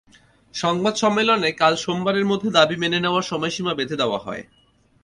সংবাদ সম্মেলনে কাল সোমবারের মধ্যে দাবি মেনে নেওয়ার সময়সীমা বেঁধে দেওয়া হয়।